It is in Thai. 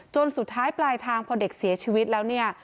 สุดท้ายปลายทางพอเด็กเสียชีวิตแล้วเนี่ย